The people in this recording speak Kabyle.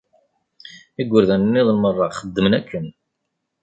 Igerdan nniḍen merra xeddmen akken.